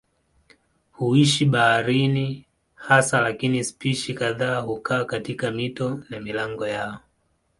Huishi baharini hasa lakini spishi kadhaa hukaa katika mito na milango yao.